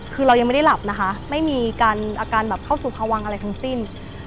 คือเรายังไม่ได้หลับนะคะไม่มีอาการอาการแบบเข้าสู่พวังอะไรทั้งสิ้น